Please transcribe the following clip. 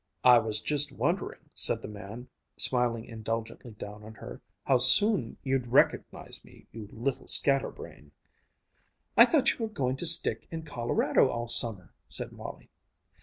"I was just wondering," said the man, smiling indulgently down on her, "how soon you'd recognize me, you little scatter brain." "I thought you were going to stick in Colorado all summer," said Molly.